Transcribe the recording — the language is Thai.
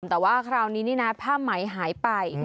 แต่ว่าคราวนี้นี่นะผ้าไหมหายไป